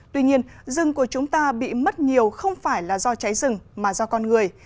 tuy nhiên rừng của chúng ta bị mất nhiều không phải là do cháy rừng mà do con người